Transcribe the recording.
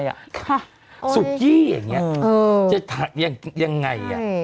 ค่ะสุกี้อย่างนี้อย่างไรอะ